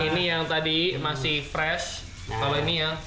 ini yang tadi masih fresh kalau ini ya